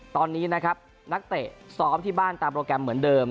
ตอนนี้นะครับนักเตะซ้อมที่บ้านตามโปรแกรมเหมือนเดิม